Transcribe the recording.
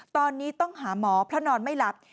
ตอนนี้ต้องหาหมอเพราะนอนไม่หลับ